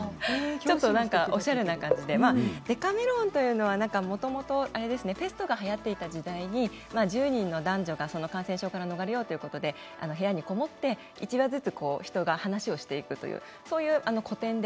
ちょっとおしゃれな感じで「デカメロン」というのはもともとペストが、はやっていた時代に１０人の男女が感染症から逃れようということで部屋に籠もって１話ずつ人が話をしていくそういう古典で。